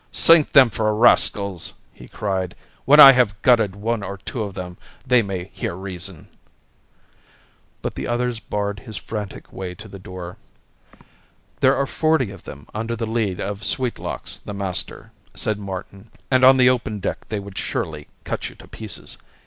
"Sink them for rascals!" he cried. "When I have gutted one or two of them they may hear reason." But the others barred his frantic way to the door. "There are forty of them under the lead of Sweetlocks, the master," said Martin, "and on the open deck they would surely cut you to pieces.